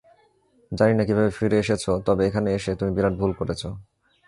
জানি না কীভাবে ফিরে এসেছ, তবে এখানে এসে তুমি বিরাট ভুল করেছ।